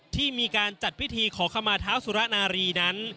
ที่มีการจัดพิธีขอขมาเท้าสุรนารีนั้น